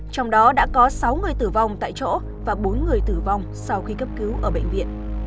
trong đó đã có sáu người tử vong tại chỗ và bốn người tử vong sau khi cấp cứu ở bệnh viện